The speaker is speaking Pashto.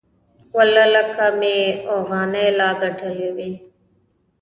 ولله که مې اوغانۍ لا گټلې وي.